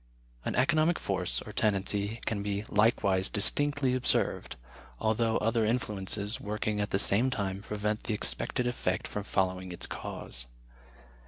An economic force, or tendency, can be likewise distinctly observed, although other influences, working at the same time, prevent the expected effect from following its cause.